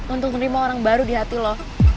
untuk nerima orang baru dihati lo